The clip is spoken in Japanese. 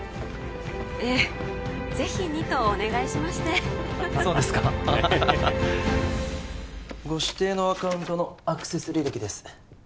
ええ是非にとお願いしましてそうですかご指定のアカウントのアクセス履歴です